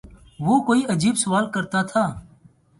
وہ کوئی عجیب سوال تھا